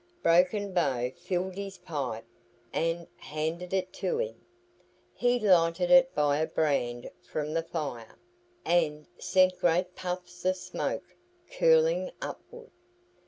Broken Bow filled his pipe and, handed it to him. He lighted it by a brand from the fire, and sent great puffs of smoke curling upward.